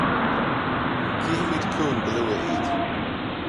Tchífimid chugainn go luath iad.